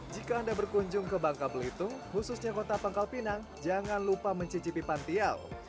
jika anda berkunjung ke bangka belitung khususnya kota pangkal pinang jangan lupa mencicipi pantiau